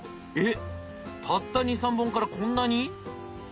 えったった２３本からこんなに？